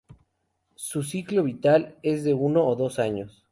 Su ciclo vital es de uno o dos años.